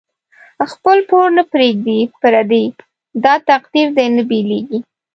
خپل پور نه پریږدی پردی، داتقدیر دی نه بیلیږی